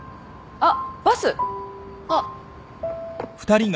あっ。